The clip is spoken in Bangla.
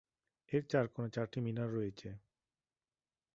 এর চার কোণে চারটি মিনার রয়েছে।